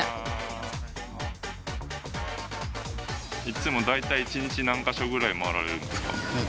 いつも大体１日何カ所ぐらい回られるんですか？